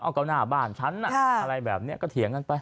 เอาก็หน้าบ้านฉันอะไรแบบนี้ก็เถียงกันไป